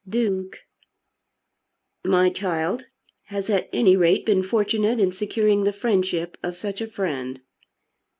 "Duke!" "My child has at any rate been fortunate in securing the friendship of such a friend."